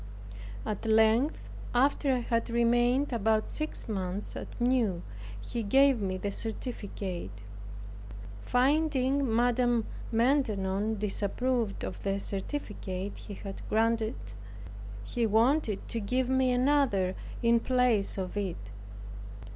At length, after I had remained about six months at Meaux, he gave me the certificate. Finding Mad. Maintenon disapproved of the certificate he had granted, he wanted to give me another in place of it.